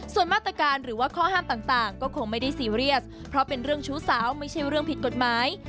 ส่วนมาตรการหรือว่าข้อห้ามต่างก็คงไม่ได้ซีเรียสเพราะเป็นเรื่องชู้สาวไม่ใช่เรื่องผิดกฎหมาย